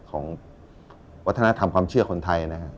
ของวัฒนธรรมความเชื่อคนไทยนะฮะ